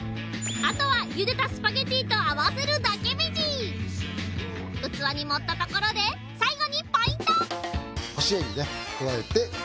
あとはゆでたスパゲティーと合わせるだけベジ器に盛ったところで最後にポイント！